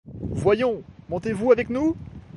Voyons, montez-vous avec nous?